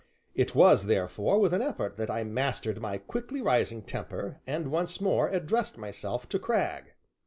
It was, therefore, with an effort that I mastered my quickly rising temper, and once more addressed myself to Cragg.